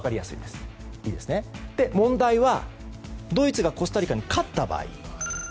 問題はドイツがコスタリカに勝った場合。